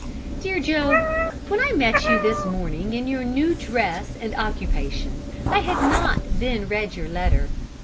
"Dear Job, when I met you this morning in your new dress and occupation, I had not then read your letter.